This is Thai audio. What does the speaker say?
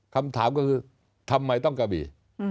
คำถามก็คือทำไมต้องกระบี่